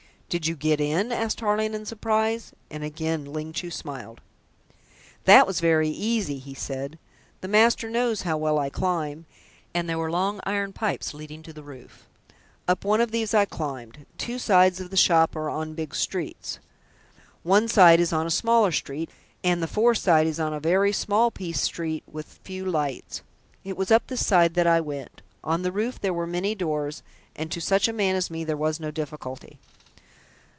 "Did you get in?" asked Tarling in surprise, and again Ling Chu smiled. "That was very easy," he said. "The master knows how well I climb, and there were long iron pipes leading to the roof. Up one of these I climbed. Two sides of the shop are on big streets. One side is on a smaller street, and the fourth side is in a very small piece street with few lights. It was up this side that I went. On the roof were many doors, and to such a man as me there was no difficulty."